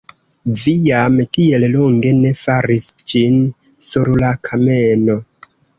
Vi jam tiel longe ne faris ĝin sur la kameno!